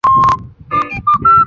早年很被朱圭看重。